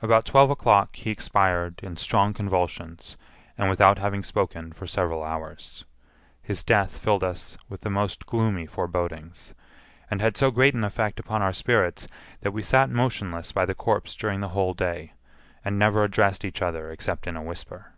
About twelve o'clock he expired in strong convulsions, and without having spoken for several hours. His death filled us with the most gloomy forebodings, and had so great an effect upon our spirits that we sat motionless by the corpse during the whole day, and never addressed each other except in a whisper.